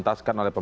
terima kasih pak